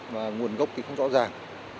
và nguồn gốc thì không rõ ràng